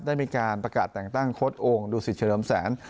ได้มีการประกาศแต่งตั้งโค้ดโอ่งดูสิตเฉลิมแสน